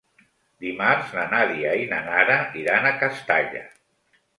Dimarts na Nàdia i na Nara iran a Castalla.